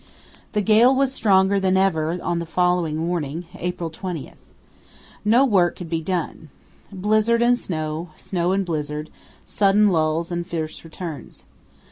The gale was stronger than ever on the following morning (April 20). No work could be done. Blizzard and snow, snow and blizzard, sudden lulls and fierce returns.